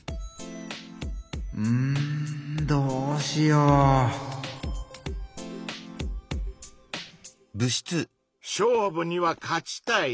うんどうしよう⁉勝負には勝ちたい。